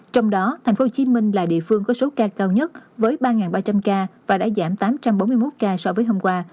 trong đó thành phố hồ chí minh là địa phương có số ca cao nhất với ba ba trăm linh ca và đã giảm tám trăm bốn mươi một ca so với hôm qua